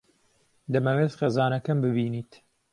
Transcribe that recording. دەمەوێت خێزانەکەم ببینیت.